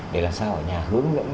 để làm sao ở nhà hướng dẫn